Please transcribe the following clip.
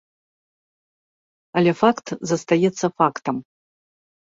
Але факт застаецца фактам.